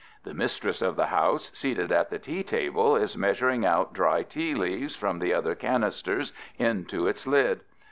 The mistress of the house, seated at the tea table, is measuring out dry tea leaves from the other canister into its lid.